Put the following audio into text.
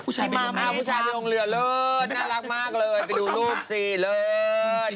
ผู้ชายลงเรือเลิศน่ารักมากเลยไปดูรูปสิเลิศ